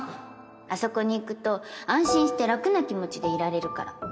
あそこに行くと安心して楽な気持ちでいられるから